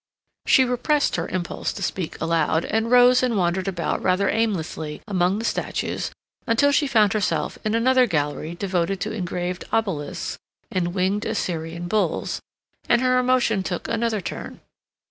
She repressed her impulse to speak aloud, and rose and wandered about rather aimlessly among the statues until she found herself in another gallery devoted to engraved obelisks and winged Assyrian bulls, and her emotion took another turn.